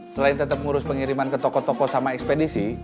selain tetep ngurus pengiriman ke toko toko sama ekspedisi